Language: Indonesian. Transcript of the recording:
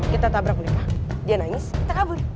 kita tabrak mereka dia nangis kita kabur